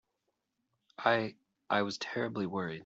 I—I was terribly worried.